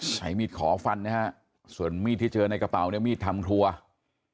ใช้มีดขอฟันส่วนมีดที่เจอในกระเป๋ามีดทำทัวร์